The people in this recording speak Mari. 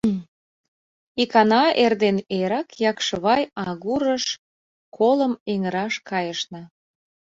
Икана эрден эрак Якшывай агурыш колым эҥыраш кайышна.